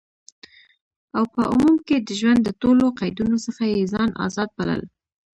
او په عموم کی د ژوند د ټولو قیدونو څخه یی ځان آزاد بلل،